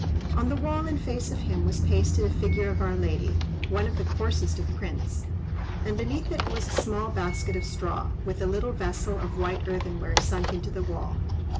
On the wall in face of him was pasted a figure of Our Lady—one of the coarsest of prints—and beneath it was a small basket of straw, with a little vessel of white earthenware sunk into the wall.